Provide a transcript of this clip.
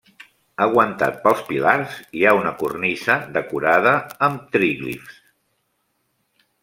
Aguantat pels pilars hi ha una cornisa decorada amb tríglifs.